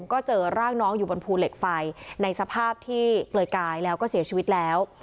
ก็เจอร่างน้องอยู่บนภูเหล็กไฟในสภาพที่เปลือยกายแล้วก็เสียชีวิตแล้ว